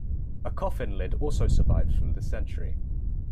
A coffin lid also survives from this century.